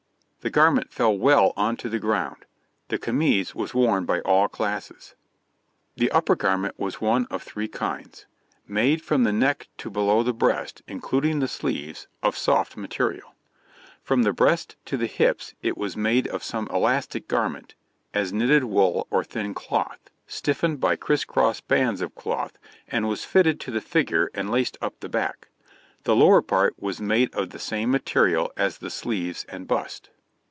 The garment fell well on to the ground. This camise was worn by all classes. The upper garment was one of three kinds: made from the neck to below the breast, including the sleeves of soft material; from the breast to the hips it was made of some elastic material, as knitted wool or thin cloth, stiffened by criss cross bands of cloth, and was fitted to the figure and laced up the back; the lower part was made of the same material as the sleeves and bust.